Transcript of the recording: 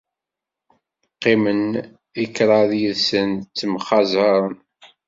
Qqimen i kraḍ yid-sen ttemxaẓaren.